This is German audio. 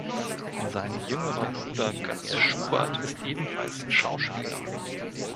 Sein jüngerer Bruder Götz Schubert ist ebenfalls Schauspieler.